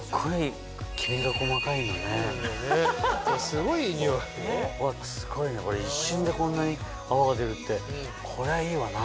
すごいね一瞬でこんなに泡が出るってこれはいいわな。